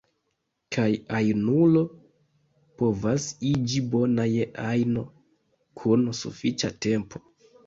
Kaj ajnulo povas iĝi bona je ajno kun sufiĉa tempo.